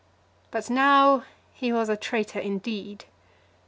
But now he was a traitor indeed.